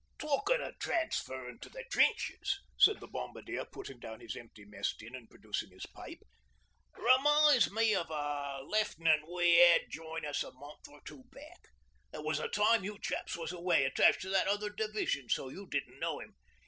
'Talkin' o' transferring to the trenches,' said the Bombardier putting down his empty mess tin and producing his pipe. 'Reminds me o' a Left'nant we 'ad join us a month or two back. It was the time you chaps was away attached to that other Division, so you didn't know 'im.